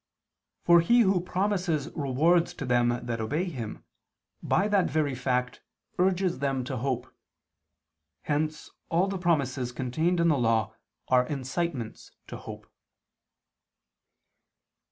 For he who promises rewards to them that obey him, by that very fact, urges them to hope: hence all the promises contained in the Law are incitements to hope.